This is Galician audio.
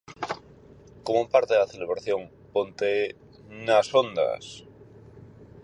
Como parte da celebración "Ponte... nas Ondas!".